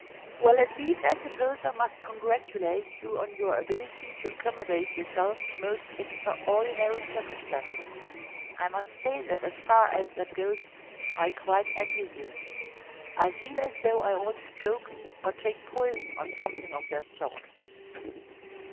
"Well, at least I suppose I must congratulate you on your ability to accommodate yourself to most extraordinary circumstances. I must say that as far as that goes I quite envy you. I feel as though I ought to choke or take poison, or something of that sort."